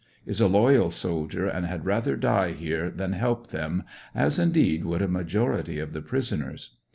Is a loyal soldier and had rather die here than help them, as, indeed, would a majority of the prisoners.